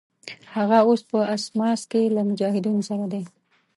هغه اوس په اسماس کې له مجاهدینو سره دی.